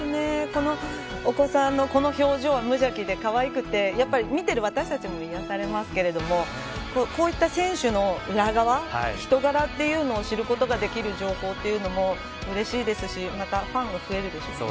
このお子さんのこの表情は無邪気で、かわいくて見ている私たちも癒やされますけれどもこういった選手の裏側人柄というのを知ることができる情報というのも、うれしいですしまたファンが増えるでしょうね。